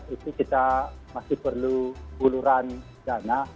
itu kita masih perlu uluran dana